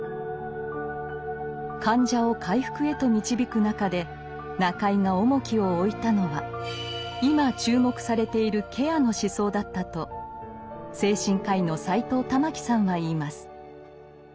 患者を回復へと導く中で中井が重きを置いたのは今注目されている「ケアの思想」だったと精神科医の斎藤環さんは言います。